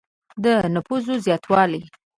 د نفوسو زیاتوالی.